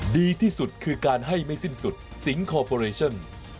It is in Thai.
ดีที่สุดคือการให้ไม่สิ้นสุดสิงคอร์ปอเรชั่น